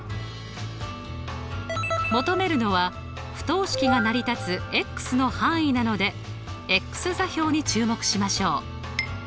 求めるのは不等式が成り立つの範囲なので座標に注目しましょう。